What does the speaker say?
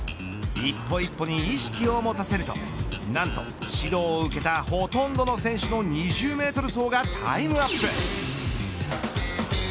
一歩一歩に意識を持たせると何と指導を受けたほとんどの選手の２０メートル走がタイムアップ。